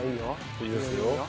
いいですよ。